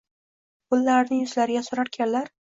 Qo’llarini yuzlariga surarkanlar